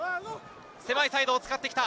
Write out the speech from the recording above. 狭いサイドを使ってきた。